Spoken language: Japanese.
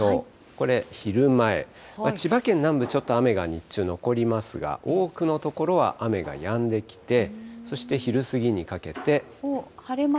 これ、昼前、千葉県南部、ちょっと雨が日中、残りますが、多くの所は雨がやんできて、そして昼過ぎにかけて。